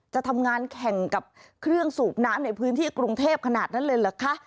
จะทำงานแข่งกับเครื่องสูบน้ำในพื้นที่กรุงเทพขนาดนั้นเลยเหรอคะ